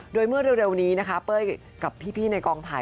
โดยเมื่อเร็วนี้นะคะเป้ยกับพี่ในกองถ่าย